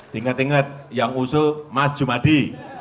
tingkat tingkat yang usul mas jumadi